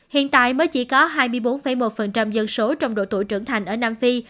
hiện tại mới chỉ có hai mươi bốn một dân số trong độ tuổi trưởng thành ở nam phi